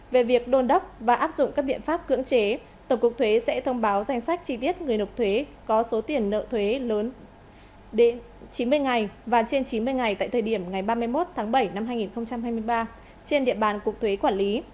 về việc đôn đốc và áp dụng các biện pháp cưỡng chế tổng cục thuế sẽ thông báo danh sách chi tiết người nộp thuế có số tiền nợ thuế lớn đến chín mươi ngày và trên chín mươi ngày tại thời điểm ngày ba mươi một tháng bảy năm hai nghìn hai mươi ba trên địa bàn cục thuế quản lý